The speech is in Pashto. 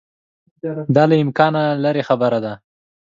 دا له امکانه لیري خبره ده.